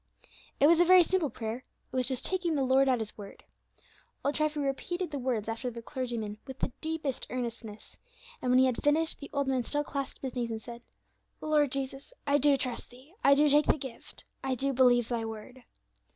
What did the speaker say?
It was a very simple prayer; it was just taking the Lord at His word. Old Treffy repeated the words after the clergyman with the deepest earnestness, and when he had finished the old man still clasped his hands and said, "Lord Jesus, I do trust Thee, I do take the gift, I do believe Thy word."